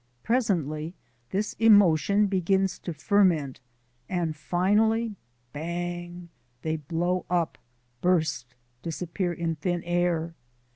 Presently this emotion begins to ferment, and finally bang! they blow up, burst, disappear in thin air.